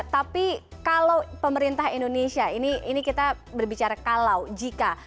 tapi kalau pemerintah indonesia ini kita berbicara kalau jika